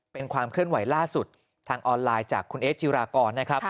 เป็นความเคลื่อนไหวล่าสุดทางออนไลน์จากคุณเอสจิรากรนะครับ